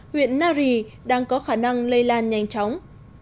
huyện nari đang có khả năng lây lan nhanh chóng